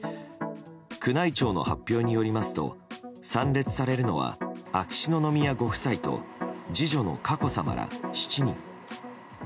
宮内庁の発表によりますと参列されるのは秋篠宮ご夫妻と次女の佳子さまら７人。